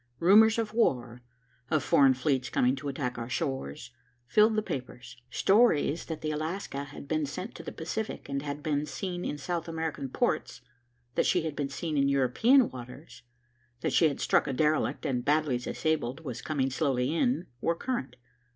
Rumors of war, of foreign fleets coming to attack our shores, filled the papers. Stories that the Alaska had been sent to the Pacific and had been seen in South American ports, that she had been seen in European waters, that she had struck a derelict and, badly disabled, was coming slowly in, were current.